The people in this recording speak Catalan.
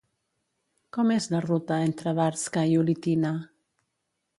Com és la ruta entre Värska i Ulitina?